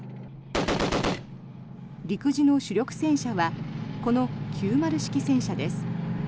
陸自の主力戦車はこの９０式戦車です。